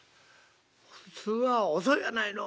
普通は『遅いやないの』